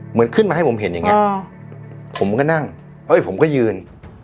เหมือนขึ้นมาให้ผมเห็นอย่างเงี้ผมก็นั่งเฮ้ยผมก็ยืน